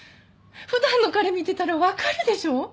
普段の彼見てたらわかるでしょ？